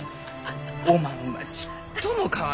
おまんはちっとも変わらんき。